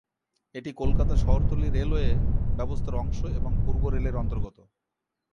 এটি কলকাতা শহরতলি রেলওয়ে ব্যবস্থার অংশ এবং পূর্ব রেলের অন্তর্গত।